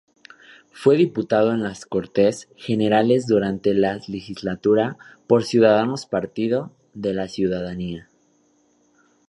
Fue diputado en las Cortes Generales durante la legislatura por Ciudadanos-Partido de la Ciudadanía.